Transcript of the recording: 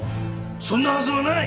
そんなはずはない！